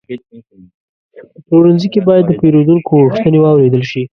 په پلورنځي کې باید د پیرودونکو غوښتنې واورېدل شي.